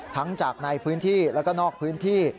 จากในพื้นที่แล้วก็นอกพื้นที่